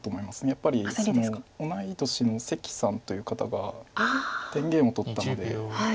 やっぱり同い年の関さんという方が天元を取ったので。